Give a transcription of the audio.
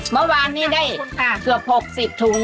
เมื่อวานนี้ได้เกือบ๖๐ถุง